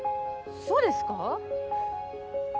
そうですか？